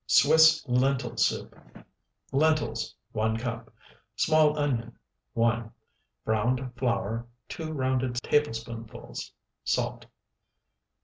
SWISS LENTIL SOUP Lentils, 1 cup. Small onion, 1. Browned flour, 2 rounded tablespoonfuls. Salt.